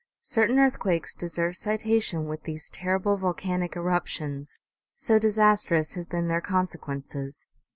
Certain earthquakes deserve citation with these terrible volcanic eruptions, so disastrous have been their consequences.